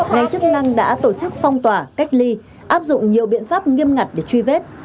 ngành chức năng đã tổ chức phong tỏa cách ly áp dụng nhiều biện pháp nghiêm ngặt để truy vết